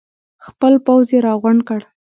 خپل پوځ یې راغونډ کړ.